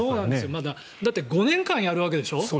まだだって５年間やるわけでしょ。